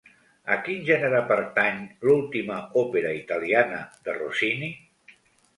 A quin gènere pertany l'última òpera italiana de Rossini?